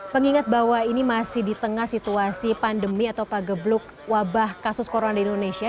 pengingat bahwa ini masih di tengah situasi pandemi atau pagebluk wabah kasus corona di indonesia